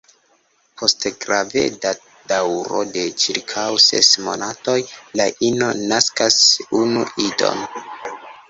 Post graveda daŭro de ĉirkaŭ ses monatoj la ino naskas unu idon.